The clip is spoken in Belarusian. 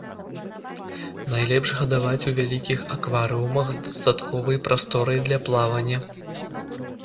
Найлепш гадаваць у вялікіх акварыумах з дастатковай прасторай для плавання.